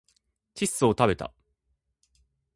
窒素をたべた